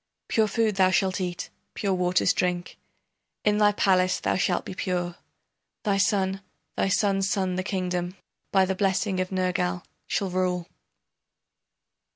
Pure food thou shalt eat, pure waters drink, In thy palace thou shalt be pure. Thy son, thy son's son the kingdom By the blessing of Nergal shall rule.